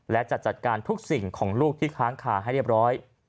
และจะจัดการทุกสิ่งของลูกที่ค้างคาให้เรียบร้อย